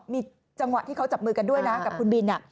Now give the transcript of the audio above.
มีจังหวะที่เขาจับมือกันด้วยนะกับคุณบิน